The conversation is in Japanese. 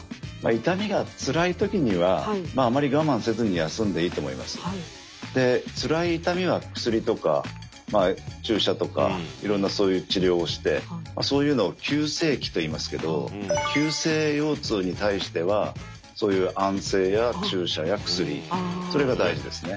腰痛かったら横になったら楽なんですけどでつらい痛みは薬とか注射とかいろんなそういう治療をしてそういうのを急性期といいますけど急性腰痛に対してはそういう安静や注射や薬それが大事ですね。